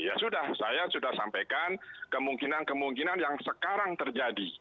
ya sudah saya sudah sampaikan kemungkinan kemungkinan yang sekarang terjadi